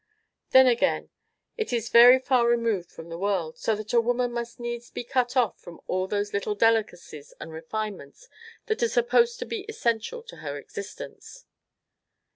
"Then again, it is very far removed from the world, so that a woman must needs be cut off from all those little delicacies and refinements that are supposed to be essential to her existence."